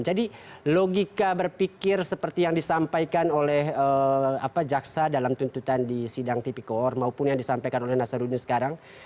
jadi logika berpikir seperti yang disampaikan oleh jaksa dalam tuntutan di sidang tpkor maupun yang disampaikan oleh nasruddin sekarang